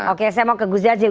oke saya mau ke gus jazil